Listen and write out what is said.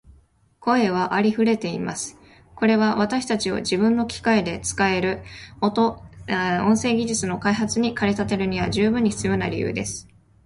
声はありふれています。これは私たちを自分の機械で使える音声技術の開発に駆り立てるには十分に必要な理由です。しかし、音声を用いたシステムを開発するには途方もない量の音声データが必要です。